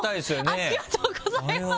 ありがとうございます。